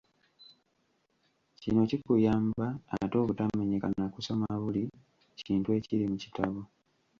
Kino kikuyamba ate obutamenyeka na kusoma buli kintu ekiri mu kitabo.